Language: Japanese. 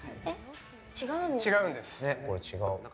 違うんですか？